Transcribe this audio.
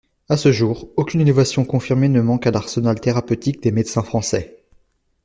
À ce jour, aucune innovation confirmée ne manque à l’arsenal thérapeutique des médecins français.